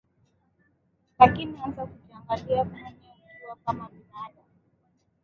Lakini anza kujiangalia mwenye ukiwa kama binaadamu